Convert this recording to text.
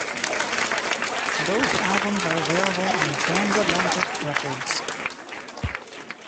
Both albums are available on Transatlantic Records.